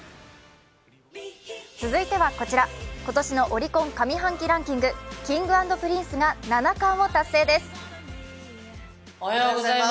続いてはこちら今年のオリコン上半期ランキングＫｉｎｇ＆Ｐｒｉｎｃｅが七冠達成です。